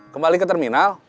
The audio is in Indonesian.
kembali ke terminal